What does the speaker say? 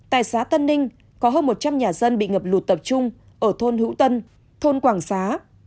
tại xã tân ninh có hơn một trăm linh nhà dân bị ngập lụt tập trung ở thôn hữu tân thôn quảng xá